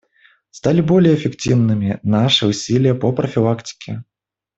Стали более эффективными наши усилия по профилактике.